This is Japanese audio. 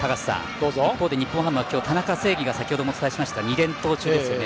一方で、日本ハムは今日、田中正義が先程もお伝えしましたが２連投中ですよね。